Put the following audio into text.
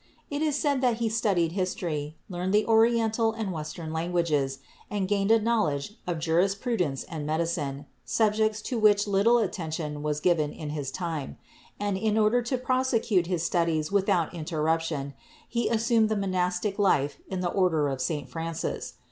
It is said that he studied history, learned the Oriental and Western languages, and gained a knowledge of jurisprudence and medicine, subjects to which little attention was given in his time; and, in order to prosecute his studies without interruption, he assumed the monastic life in the order of St. Francis.